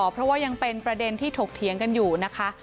เพราะว่ายังเป็นประเด็นที่ถกเถียงกันอยู่นะคะ